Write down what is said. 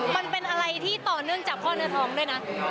มันเป็นอะไรที่ต่อเนื่องจากพ่อเนื้อทองด้วยนะ